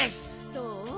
そう？